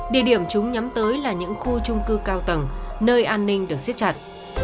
địa điểm chúng nhắm tới là những khu trung cư cao tầng nơi an ninh được xếp chặt